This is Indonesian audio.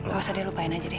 gak usah deh lupain aja deh